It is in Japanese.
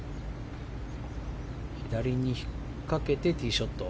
左に引っ掛けてティーショット。